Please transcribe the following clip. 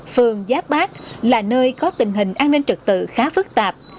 phường giáp bác là nơi có tình hình an ninh trực tự khá phức tạp